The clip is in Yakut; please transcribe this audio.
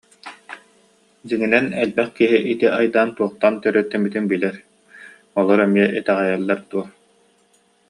Дьиҥинэн, элбэх киһи ити айдаан туохтан төрүөттэммитин билэр, олор эмиэ итэҕэйэллэр дуо